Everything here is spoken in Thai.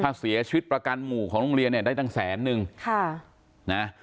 ถ้าเสียชีวิตประกันหมู่ของโรงเรียนเนี่ยได้ตั้งแสนนึงค่ะนะ